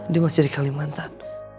dia masih di kalimantan